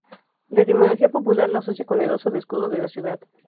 La etimología popular lo asocia con el oso del escudo de la ciudad.